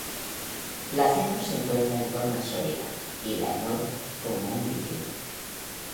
La ceto se encuentra en forma sólida y la enol como un líquido.